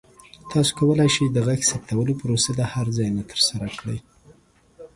تاسو کولی شئ د غږ ثبتولو پروسه د هر ځای نه ترسره کړئ.